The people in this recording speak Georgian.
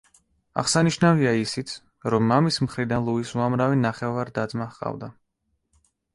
აღსანიშნავია ისიც, რომ მამის მხრიდან ლუის უამრავი ნახევარ-და-ძმა ჰყავდა.